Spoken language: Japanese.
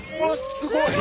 すごい！